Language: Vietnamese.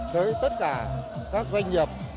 tới tất cả các doanh nghiệp